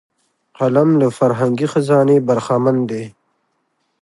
قلم له فرهنګي خزانې برخمن دی